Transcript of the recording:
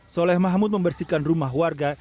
soleh mahamud membersihkan rumah warga